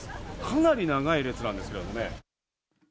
かなり長い列なんですけどね。